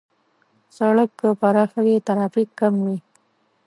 سړک که پراخ وي، ترافیک کم وي.